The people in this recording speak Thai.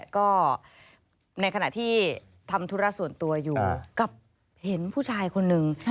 ก็ในขณะที่ทำธุระส่วนตัวอยู่กับเห็นผู้ชายคนนึง